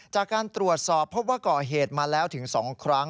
จากการตรวจสอบพบว่าก่อเหตุมาแล้วถึง๒ครั้ง